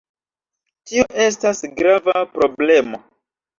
Tio estas grava problemo.